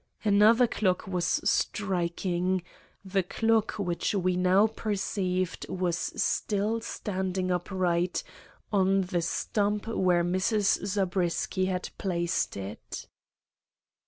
Another clock was striking, the clock which we now perceived was still standing upright on the stump where Mrs. Zabriskie had placed it.